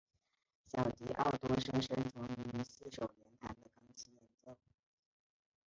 小狄奥多深深着迷于四手联弹的钢琴演奏。